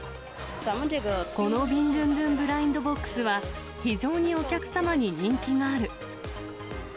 このビンドゥンドゥン・ブラインドボックスは、非常にお客様に人気がある。